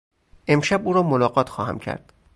امشب او را ملاقات خواهم کرد.